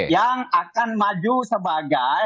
yang akan maju sebagai